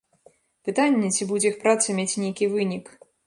Пытанне, ці будзе іх праца мець нейкі вынік.